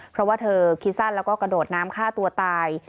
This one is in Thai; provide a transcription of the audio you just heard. เพราะว่าเธอคิดสั้นแล้วก็กระโดดน้ำฆ่าตัวตาย